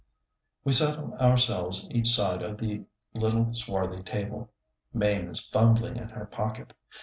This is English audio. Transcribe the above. We settle ourselves each side of the little swarthy table. Mame is fumbling in her pocket.